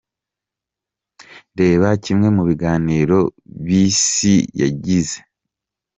Reba kimwe mu biganiro Bisi yagize :.